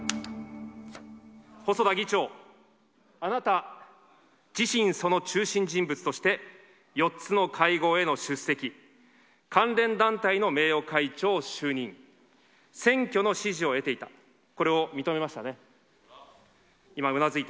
細田議長、あなた自身、その中心人物として、４つの会合への出席、関連団体の名誉会長就任、選挙の支持を得ていた、これを認めましたね。